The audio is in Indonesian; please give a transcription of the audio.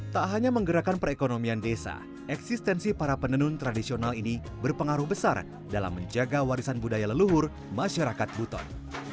tak hanya menggerakkan perekonomian desa eksistensi para penenun tradisional ini berpengaruh besar dalam menjaga warisan budaya leluhur masyarakat buton